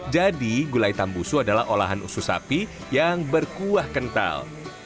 jadi gulai tambusu adalah olahan usus sapi yang berkuah kental